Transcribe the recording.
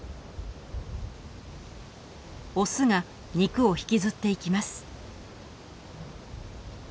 オスが肉を引きずっていきます。